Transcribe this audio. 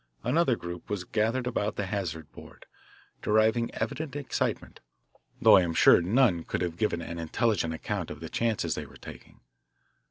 Another group was gathered about the hazard board, deriving evident excitement, though I am sure none could have given an intelligent account of the chances they were taking.